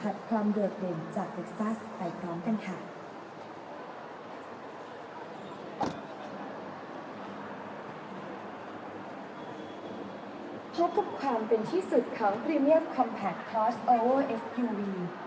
พบกับความเป็นที่สุดของพรีเมียมคอมแพคลอสพิวี